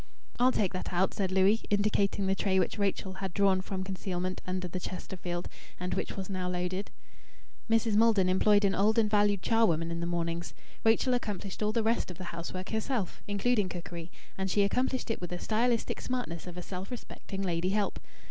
"I'll take that out," said Louis, indicating the tray which Rachel had drawn from concealment under the Chesterfield, and which was now loaded. Mrs. Maldon employed an old and valued charwoman in the mornings. Rachel accomplished all the rest of the housework herself, including cookery, and she accomplished it with the stylistic smartness of a self respecting lady help.